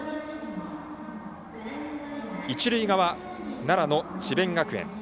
一塁側、奈良の智弁学園。